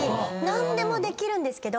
何でもできるんですけど。